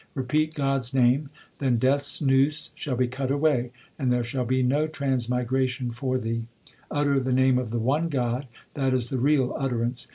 Repeat God s name, then Death s noose shall be cut away, And there shall be no transmigration for thee. Utter the name of the one God ; that is the real utterance.